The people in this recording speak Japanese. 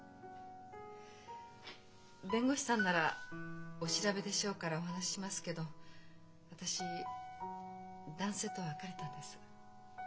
弁護士さんならお調べでしょうからお話ししますけど私男性とは別れたんです。